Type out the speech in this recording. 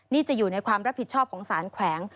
นี่จะอยู่ในความรับผิดชอบของสารแขวง